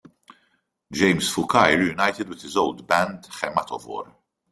James Fukai reunited with his old band, Hematovore.